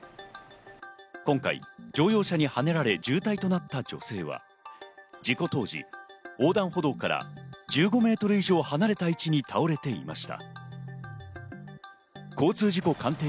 今回、乗用車にはねられ重体となった女性は、事故当時、横断歩道から１５ｍ以上離れた位置に倒れていました。